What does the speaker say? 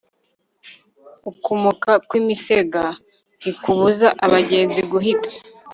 ukumoka kw'imisega ntikubuza abagenzi guhita